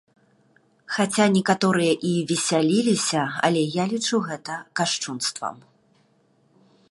Хаця некаторыя і весяліліся, але я лічу гэта кашчунствам.